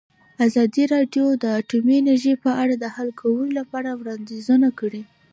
ازادي راډیو د اټومي انرژي په اړه د حل کولو لپاره وړاندیزونه کړي.